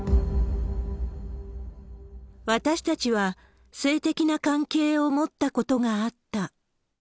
私たちは性的な関係を持ったことがあった。